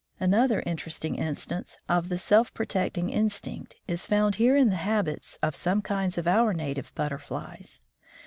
"Another interesting instance of the self protecting instinct is found here in the habits of some kinds of our native butterflies.